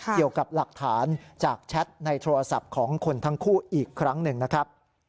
เกี่ยวกับหลักฐานจากแชทในโทรศัพท์ของคนทั้งคู่อีกครั้งหนึ่งนะครับ